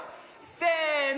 せの。